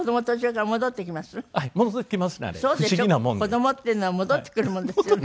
子供っていうのは戻ってくるもんですよね。